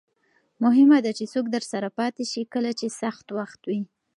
مهمه ده چې څوک درسره پاتې شي کله چې سخت وخت وي.